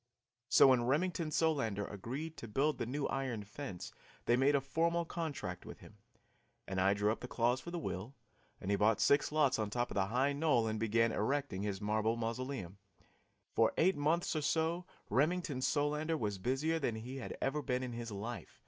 So when Remington Solander agreed to build the new iron fence they made a formal contract with him, and I drew up the clause for the will, and he bought six lots on top of the high knoll and began erecting his marble mausoleum. For eight months or so Remington Solander was busier than he had ever been in his life.